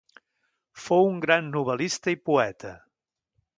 Fou un gran novel·lista i poeta.